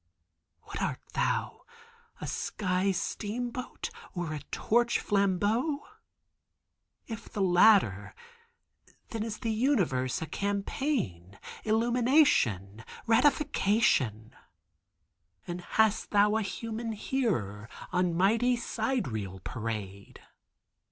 "What art thou—a sky steamboat, or a torch flambeau? If the latter, then is the universe a campaign, illumination, ratification? And hast thou a human hearer on mighty sidereal parade?"